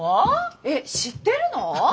えっ知ってるの？